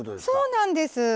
そうなんです。